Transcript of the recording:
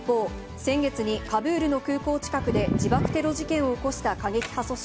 先月にカブールの空港近くで自爆テロ事件を起こした過激派組織